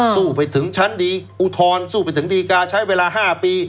สู้ไปถึงชั้นดีอุทธรณ์สู้ไปถึงดีการ์ใช้เวลา๕ปี